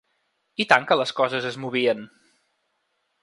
I tant que les coses es movien.